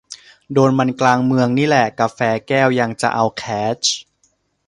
โดนมันกลางเมืองนี่แหละ กาแฟแก้ว ยังจะเอาแคช